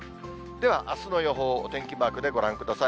では、あすの予報、お天気マークでご覧ください。